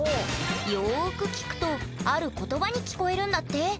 よく聞くとある言葉に聞こえるんだって。